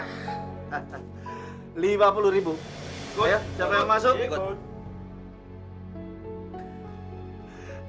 siapa yang masuk